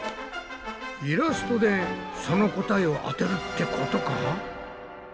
イラストでその答えを当てるってことか？